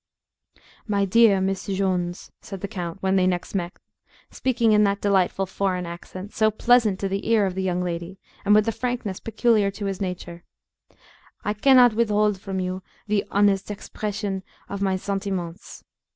"My dear Miss Jones," said the count, when they next met, speaking in that delightful foreign accent, so pleasant to the ear of the young lady, and with the frankness peculiar to his nature, "I cannot withhold from you the honest expression of my sentiments.